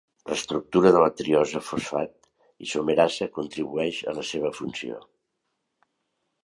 L'estructura de la triosa fosfat isomerasa contribueix a la seva funció.